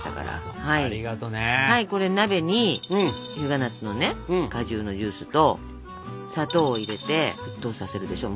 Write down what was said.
これ鍋に日向夏の果汁のジュースと砂糖を入れて沸騰させるでしょ。